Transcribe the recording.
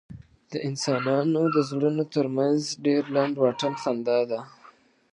د انسانانو د زړونو تر منځ ډېر لنډ واټن خندا ده.